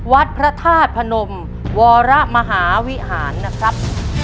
วัดพระธาตุพนมวรมหาวิหารนะครับ